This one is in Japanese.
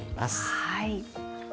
はい。